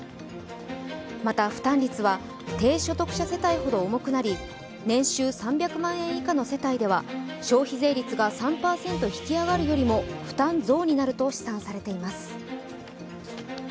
また、負担率は低所得者世帯ほど重くなり年収３００万円以下の世帯では消費税率が３％引き上がるよりも負担増になると試算されています。